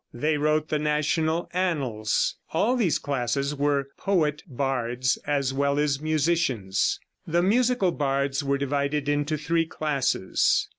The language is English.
They wrote the national annals. All these classes were poet bards as well as musicians. The musical bards were divided into three classes.